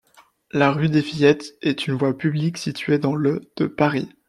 La rue des Fillettes est une voie publique située dans le de Paris.